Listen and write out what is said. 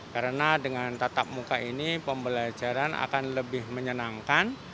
karena dengan tatap muka ini pembelajaran akan lebih menyenangkan